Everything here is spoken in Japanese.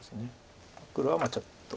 黒はちょっと。